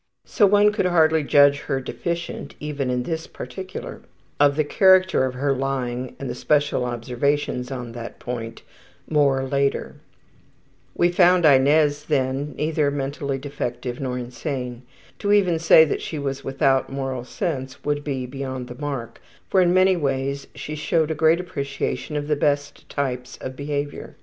So one could hardly judge her deficient even in this particular. (Of the character of her lying and the special observations on that point more later.) We found Inez, then, neither mentally defective nor insane. To even say that she was without moral sense would be beyond the mark, for in many ways she showed great appreciation of the best types of behavior.